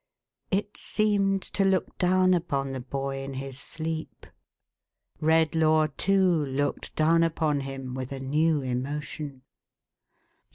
It seemed to look down upon the boy in his sleep. Redlaw, too, looked down upon him with a new emotion.